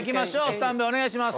スタンバイお願いします。